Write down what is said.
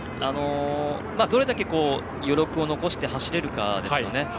どれだけ余力を残して走れるかですね。